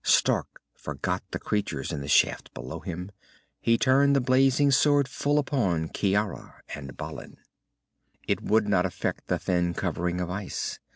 Stark forgot the creatures in the shaft below him. He turned the blazing sword full upon Ciara and Balin. It would not affect the thin covering of ice.